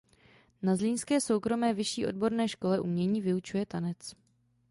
Na Zlínské soukromé vyšší odborné škole umění vyučuje tanec.